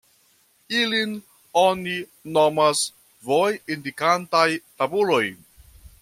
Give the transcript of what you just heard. Ilin oni nomas voj-indikantaj tabuloj.